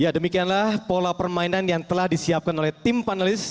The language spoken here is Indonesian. ya demikianlah pola permainan yang telah disiapkan oleh tim panelis